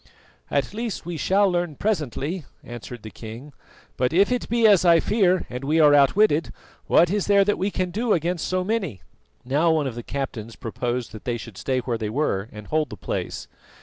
"At least we shall learn presently," answered the king; "but if it be as I fear and we are outwitted, what is there that we can do against so many?" Now one of the captains proposed that they should stay where they were and hold the place.